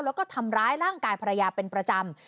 แล้วก็ทำร้ายร่างกายภรรยาเป็นประจำ